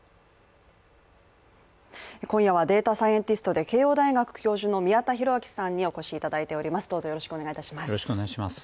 今夜はデータサイエンティストで慶応大学教授の宮田裕章さんにお越しいただいております。